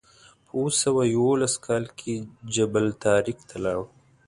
په اوه سوه یوولس کال کې جبل الطارق ته لاړ.